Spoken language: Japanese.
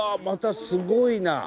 またすごいな。